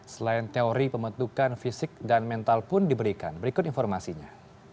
selain teori pembentukan fisik dan mental pun diberikan berikut informasinya